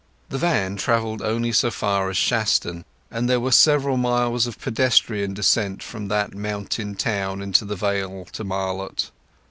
The van travelled only so far as Shaston, and there were several miles of pedestrian descent from that mountain town into the vale to Marlott.